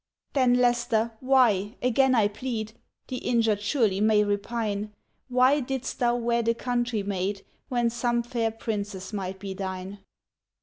"Then, Leicester, why, again I plead, (The injured surely may repine,) Why didst thou wed a country maid, When some fair princess might be thine?